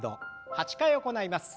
８回行います。